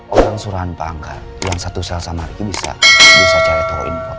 orang suruhan panggal yang satu sel sama ricky bisa cari tahu ini pak